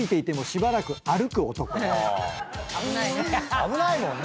危ないもんね。